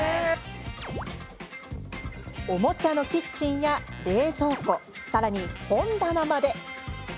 おもちゃのキッチンや冷蔵庫、さらに本棚まで。